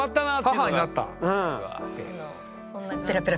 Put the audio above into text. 母になったって。